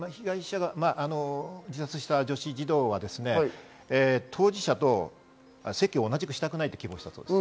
自殺した女子児童は、当事者と席を同じくしたくないと希望したそうです。